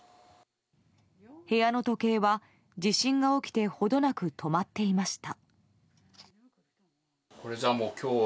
部屋の時計は地震が起きて程なく止まっていました。